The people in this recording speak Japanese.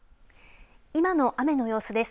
今の雨の様子です。